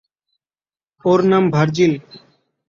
ওর নাম ভার্জিল।